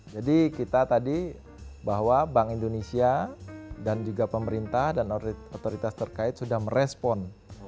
jadi kita tadi bahwa bank indonesia dan juga pemerintah dan otoritas terkait sudah merespon